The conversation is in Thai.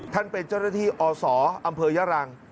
ท่านเป็นเจ้าหน้าที่อศอำเภอยะรัง